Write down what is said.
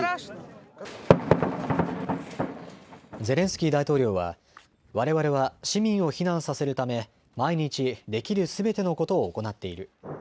ゼレンスキー大統領は、われわれは市民を避難させるため毎日、できるすべてのことを行っている。